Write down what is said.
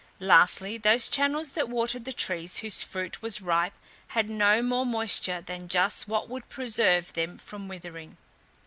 Lastly, those channels that watered the trees whose fruit was ripe had no more moisture than just what would preserve them from withering.